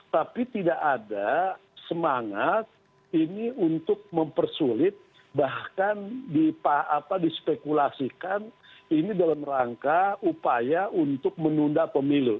tapi tidak ada semangat ini untuk mempersulit bahkan dispekulasikan ini dalam rangka upaya untuk menunda pemilu